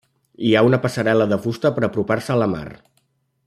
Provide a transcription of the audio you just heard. Hi ha una passarel·la de fusta per apropar-se a la mar.